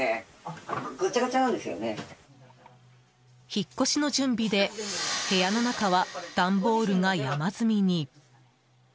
引っ越しの準備で部屋の中は段ボールが山積みに。